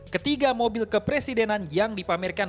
ketiga mobil kepresidenan yang dipamerkan